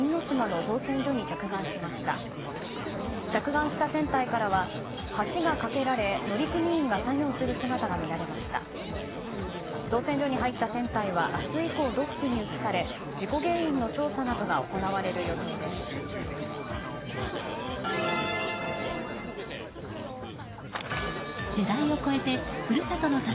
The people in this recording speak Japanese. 造船所に入った船体は明日以降、ドックに移され事故原因の調査などが行われる予定です。